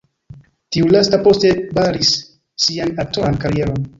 Tiu lasta poste baris sian aktoran karieron.